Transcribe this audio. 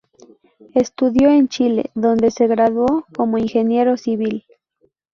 Estudió en Chile, donde se graduó como ingeniero civil.